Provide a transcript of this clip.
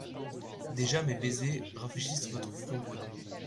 Déjà mes baisers rafraîchissent votre front brûlant.